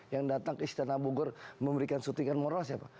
yang datang ke istana bogor memberikan sutikan moral siapa